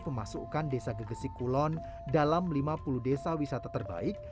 memasukkan desa gegesik kulon dalam lima puluh desa wisata terbaik